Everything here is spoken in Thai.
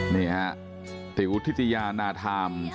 นี่ฮะติ๋วทิตยานาธาม